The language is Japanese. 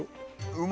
うま！